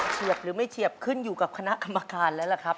เฉียบหรือไม่เฉียบขึ้นอยู่กับคณะกรรมการแล้วล่ะครับ